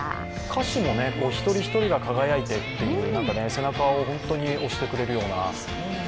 歌詞も一人一人が輝いてっていう、背中を押してくれるような。